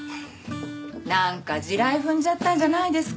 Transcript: なんか地雷踏んじゃったんじゃないですか？